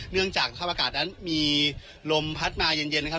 เนื่องจากสภาพอากาศนั้นมีลมพัดมาเย็นนะครับ